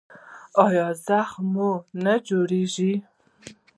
ایا زخم مو نه جوړیږي؟